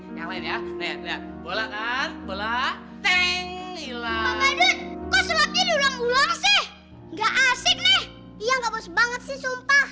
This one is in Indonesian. iya nggak bos banget seh sumpah